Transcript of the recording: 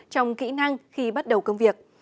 trong kỹ năng khi bắt đầu công việc